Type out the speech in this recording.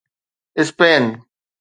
Spain